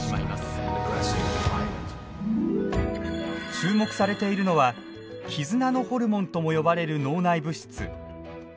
注目されているのは絆のホルモンとも呼ばれる脳内物質オキシトシンです。